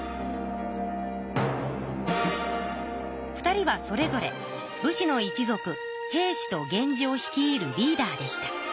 ２人はそれぞれ武士の一族平氏と源氏を率いるリーダーでした。